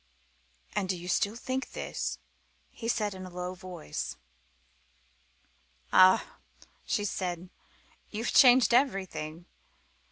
"And do you still think this?" he asked in a low voice. "Ah," she said, "you've changed everything!